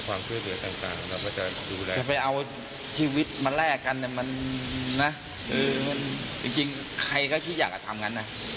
ความเบลอต่างเราจะไปเอาชีวิตมาแลกกันนะจริงใครก็คิดอยากจะทำงั้นนะ